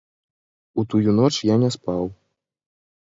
У тую ноч я не спаў.